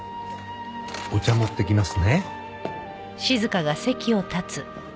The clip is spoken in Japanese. お茶持ってきますね。